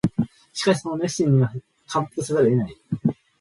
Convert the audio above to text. しかしその熱心には感服せざるを得ない